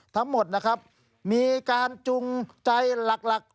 ทั้งหมดมีการจุงใจหลัก